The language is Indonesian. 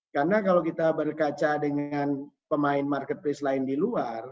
karena kalau kita berkaca dengan pemain marketplace lain di luar